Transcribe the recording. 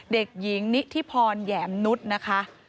เด็กหญิงนิธิพรแหยมนุษย์นะคะ